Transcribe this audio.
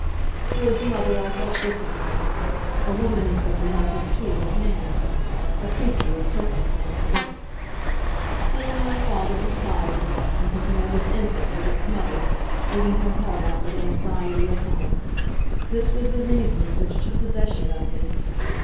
Towards mother I felt differently. A woman is but the helpless tool of man a creature of circumstances. Seeing my father beside me, and thinking of his infant with its mother, eating her heart out with anxiety at home, this was the reasoning which took possession of me.